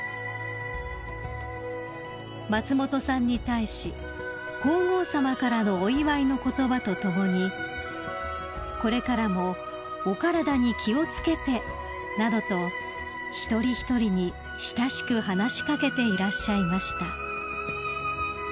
［松本さんに対し皇后さまからのお祝いの言葉とともに「これからもお体に気を付けて」などと一人一人に親しく話し掛けていらっしゃいました］